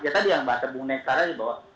tadi yang bahas bung neksara itu bahwa